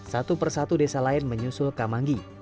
satu persatu desa lain menyusul kamanggi